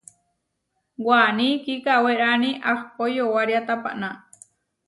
Waní kikawérani ahpó yowária tapaná.